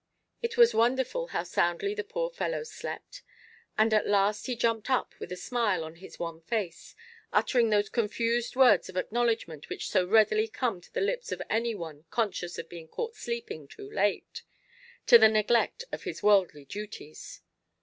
It was wonderful how soundly the poor fellow slept; and at last he jumped up with a smile on his wan face, uttering those confused words of acknowledgment which so readily come to the lips of any one conscious of being caught sleeping too late, to the neglect of his worldly duties.